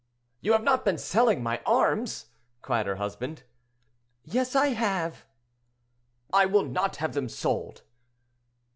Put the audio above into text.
"You have not been selling my arms?" cried her husband. "Yes, I have." "I will not have them sold."